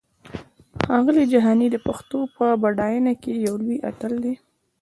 ښاغلی جهاني د پښتو په پډاینه کې یو لوی اتل دی!